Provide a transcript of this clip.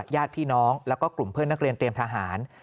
ญาติพี่น้องแล้วก็กลุ่มเพื่อนนักเรียนเตรียมทหาร